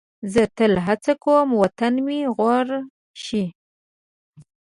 زه تل هڅه کوم وطن مې غوره شي.